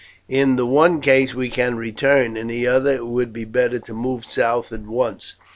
In the one case we can return, in the other it will be better to move south at once.